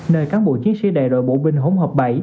nơi cán bộ chiến sĩ đại đội bộ binh hỗn hợp bảy